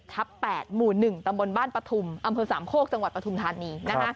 ๘หมู่๑ตำบลบ้านปฐุมอำเภอสามโคกจังหวัดปฐุมธานี